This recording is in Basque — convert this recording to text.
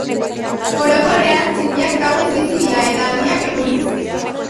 Orokorrean, txikiak gauez bizi dira eta handiak, egunez.